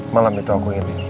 malam itu aku ingin